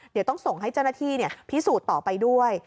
เดี๋ยวต้องส่งให้เจ้าหน้าที่พิสูจน์ต่อไปด้วย